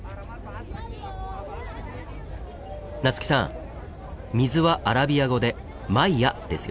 夏木さん水はアラビア語で「マイヤ」ですよ。